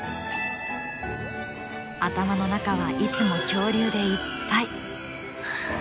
頭の中はいつも恐竜でいっぱい。